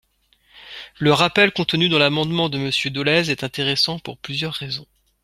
Le rappel contenu dans l’amendement de Monsieur Dolez est intéressant, pour plusieurs raisons.